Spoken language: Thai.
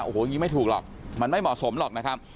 โอ้โหอย่างนี้ไม่ถูกหรอกมันไม่เหมาะสมหรอกนะครับ